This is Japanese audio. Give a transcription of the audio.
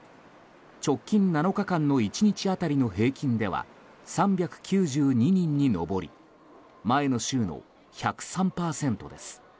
直近７日間の１日当たりの平均では３９２人に上り前の週の１０３％です。